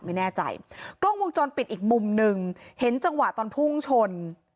ไม่แน่ใจกล้องวงจรปิดอีกมุมหนึ่งเห็นจังหวะตอนพุ่งชน